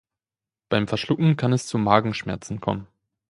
Beim Verschlucken kann es zu Magenschmerzen kommen.